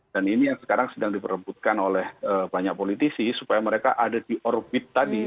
dan ini yang sekarang sedang diperebutkan oleh banyak politisi supaya mereka ada di orbit tadi